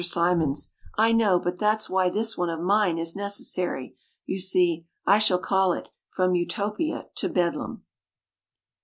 Simonds: "I know, but that's why this one of mine is necessary. You see, I shall call it 'From Utopia to Bedlam'."